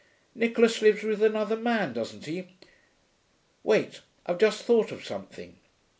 Nicholas lives with another man, doesn't he?... Wait: I've just thought of something....'